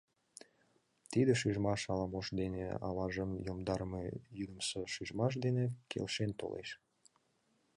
Тиде шижмаш ала-мож дене аважым йомдарыме йӱдымсӧ шижмаш дене келшен толеш.